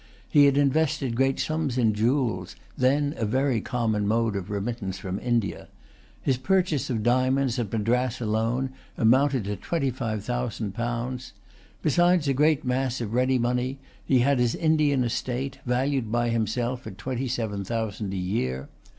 He had invested great sums in jewels, then a very common mode of remittance from India. His purchases of diamonds, at Madras alone, amounted to twenty five thousand pounds. Besides a great mass of ready money, he had his Indian estate, valued by himself at twenty seven thousand a year.